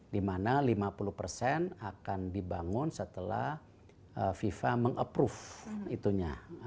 dimana lima puluh persen akan dibangun setelah fifa meng approve itunya